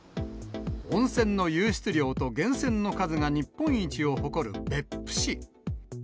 温泉の湧出量と源泉の数が日本一を誇る別府市。